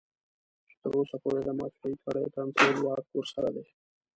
چې تر اوسه پورې د مافيايي کړيو کنټرول واک ورسره دی.